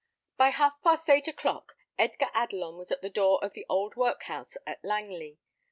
By half past eight o'clock Edgar Adelon was at the door of the old workhouse at Langley.